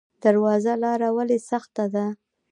درواز لاره ولې سخته ده؟